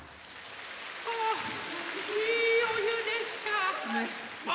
ああいいおゆでした！